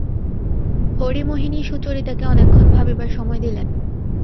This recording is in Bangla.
হরিমোহিনী সুচরিতাকে অনেকক্ষণ ভাবিবার সময় দিলেন।